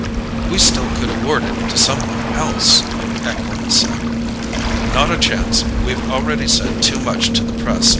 "We still could award it to someone else," Eklund said. "Not a chance. We've already said too much to the press.